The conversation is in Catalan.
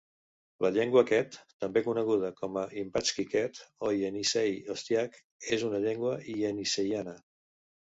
La llengua quet, també coneguda com a imbatski-ket o ienissei ostiak, és una llengua ieinisseiana.